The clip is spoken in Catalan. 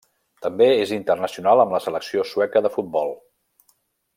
També és internacional amb la selecció sueca de futbol.